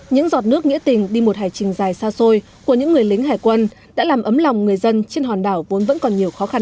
những giọt nước nghĩa tình đi một hải trình dài xa xôi của những người lính hải quân đã làm ấm lòng người dân trên hòn đảo vốn vẫn còn nhiều khó khăn